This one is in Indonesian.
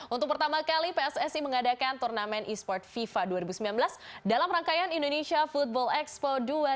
untuk pertama kali pssi mengadakan turnamen e sport fifa dua ribu sembilan belas dalam rangkaian indonesia football expo dua ribu dua puluh